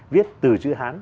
viết từ chữ hán